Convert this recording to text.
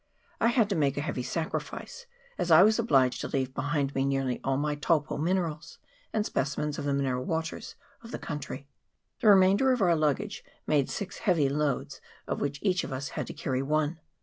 I had to make a heavy sacrifice, as I was obliged to leave behind me nearly all my Taupo minerals, and specimens of the mineral waters of the country. The remainder of our luggage made six heavy loads, of which each of us had to carry one.